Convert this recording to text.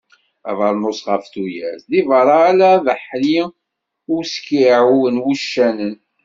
Abernus ɣef tuyat, deg berra ala abeḥri d uskiɛu n wuccanen.